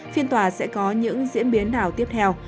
phiên tòa sẽ có những diễn biến nào tiếp theo